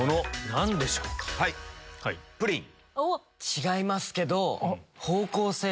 違いますけど。